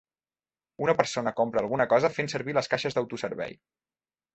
Una persona compra alguna cosa fent servir les caixes d'autoservei.